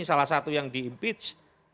salah satu yang diimpeach